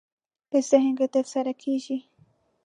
په ذهن کې ترسره کېږي.